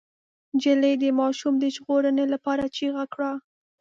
نجلۍ د ماشوم د ژغورنې لپاره چيغه کړه.